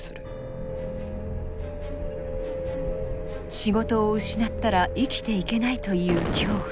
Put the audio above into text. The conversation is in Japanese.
仕事を失ったら生きていけないという恐怖。